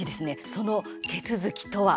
その手続きとは？